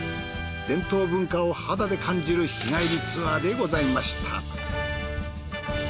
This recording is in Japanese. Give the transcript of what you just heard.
伝統文化を肌で感じる日帰りツアーでございました。